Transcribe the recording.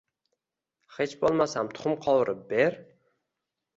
Hech boʻlmasam tuxum qovurib ber